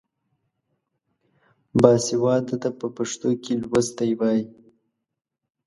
باسواده ته په پښتو کې لوستی وايي.